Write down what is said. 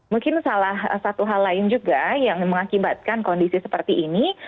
mungkin salah satu hal lain juga yang mengakibatkan kondisi seperti ini